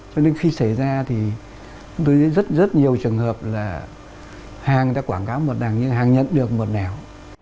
cho nên khi xảy ra thì tôi thấy rất rất nhiều trường hợp là hàng người ta quảng cáo một đằng nhưng hàng nhận được một nẻo